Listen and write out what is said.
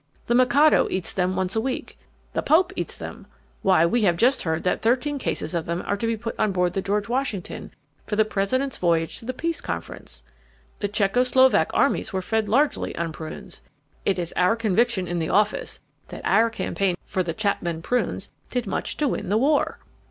The Mikado eats them once a week. The Pope eats them. Why, we have just heard that thirteen cases of them are to be put on board the George Washington for the President's voyage to the peace Conference. The Czecho Slovak armies were fed largely on prunes. It is our conviction in the office that our campaign for the Chapman prunes did much to win the war."